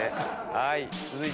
はい。